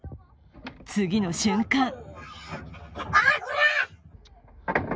次の瞬間